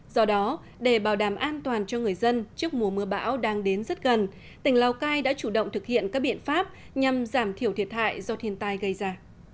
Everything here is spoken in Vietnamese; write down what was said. do đó để bảo đảm an toàn cho người dân trước mùa mưa bão đang đến rất gần tỉnh lào cai đã chủ động thực hiện các biện pháp nhằm giảm thiểu thiệt hại do thiên tai gây ra